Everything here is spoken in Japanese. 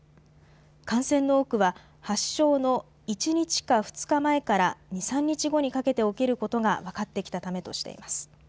感染の多くは発症の１日か２日前から２、３日後にかけて起きることが分かってきたためとしています。